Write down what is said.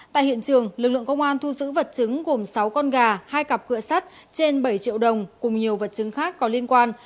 tại hiện trường lực lượng công an thu giữ vật chứng gồm sáu con gà hai cặp cựa sắt trên bảy triệu đồng cùng nhiều vật chứng khác có liên quan